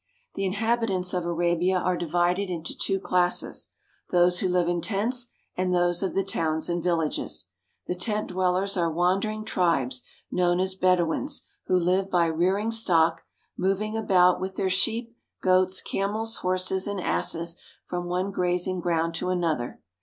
The inhabitants of Arabia are divided into two classes ; those who live in tents and those of the towns and villages. The tent dwellers are wandering tribes, known as Bed ouins, who live by rearing stock, moving about with their sheep, goats, camels, horses, and asses from one grazing ground to another.